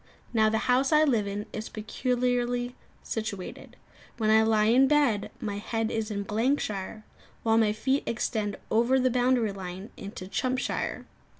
Now the house I live in is peculiarly situated. When I lie in bed, my head is in Blankshire, while my feet extend over the boundary line into Chumpshire.